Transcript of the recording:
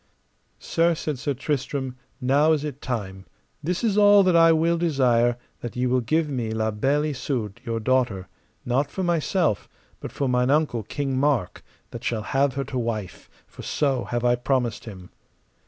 Sir, said Sir Tristram, now is it time; this is all that I will desire, that ye will give me La Beale Isoud, your daughter, not for myself, but for mine uncle, King Mark, that shall have her to wife, for so have I promised him.